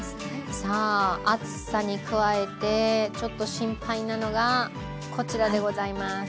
さあ暑さに加えてちょっと心配なのがこちらでございます。